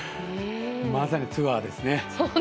まさにツアーですね。